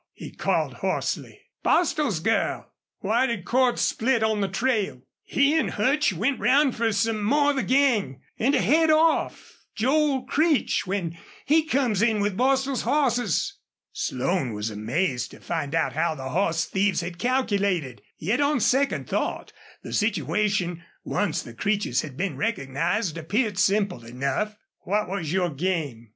he called, hoarsely. "Bostil's girl." "Why did Cordts split on the trail?" "He an' Hutch went round fer some more of the gang, an' to head off Joel Creech when he comes in with Bostil's hosses." Slone was amazed to find how the horse thieves had calculated; yet, on second thought, the situation, once the Creeches had been recognized, appeared simple enough. "What was your game?"